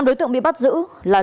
năm đối tượng bị bắt giữ là